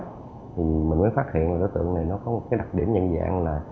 thì mình mới phát hiện đối tượng này nó có một cái đặc điểm nhận dạng là